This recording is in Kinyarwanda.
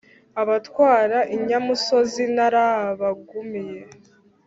abatwara inyamusozi narabagumiye.